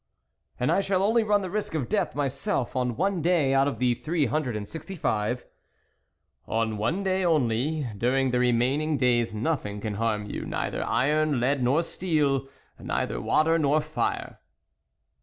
" And I shall only run the risk of death myself on one day out of the three hun dred and sixty five ?"" On one day only ; during the remain ing days nothing can harm you, neither iron, lead, nor steel, neither water, nor fire."